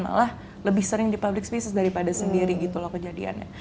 malah lebih sering di public spaces daripada sendiri gitu loh kejadiannya